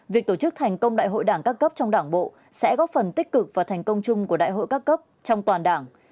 việc tổ chức thành công đại hội đảng các cấp trong đảng bộ sẽ góp phần tích cực và thành công chung của đại hội các cấp trong toàn đảng